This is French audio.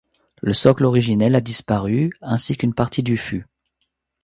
Le socle originel a disparu, ainsi qu'une partie du fût.